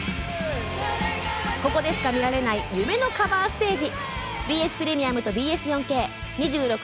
ここでしか見られない夢のカバーステージ。